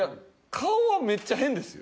顔はめっちゃ変ですよ。